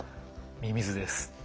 ミミズです。